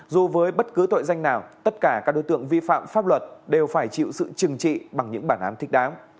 dù với bất cứ tội danh nào tất cả các đối tượng vi phạm pháp luật đều phải chịu sự trừng trị bằng những bản án thích đáng